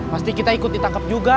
pasti kita ikut ditangkap juga